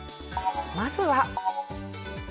まずは。